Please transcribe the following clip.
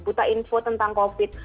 buta info tentang covid